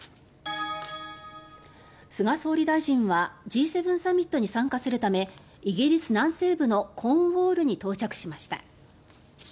菅総理大臣はＧ７サミットに参加するためイギリス南西部のコーンウォールに到着しました。